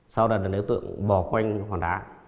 sau đó đối tượng bò quanh khoảng đá